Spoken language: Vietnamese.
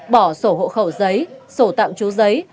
bỏ sổ hộ khẩu giấy sổ tạng trú giấy